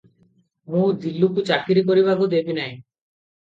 ମୁଁ ଦିଲୁକୁ ଚାକିର କରିବାକୁ ଦେବି ନାହିଁ ।